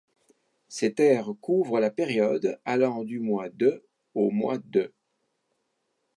Cette ère couverla période allant du mois de au mois d'.